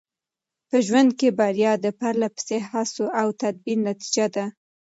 په ژوند کې بریا د پرله پسې هڅو او تدبیر نتیجه ده.